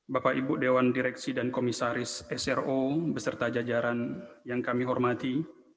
bapak ibu dewan direksi dan komisaris sro beserta jajaran yang kami hormati